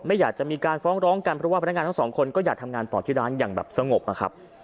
ไม่อยากจะมีการฟ้องร้องกันเพราะว่าพนักงานทั้งสองคนก็อยากทำงานต่อที่ร้านอย่างแบบสงบนะครับ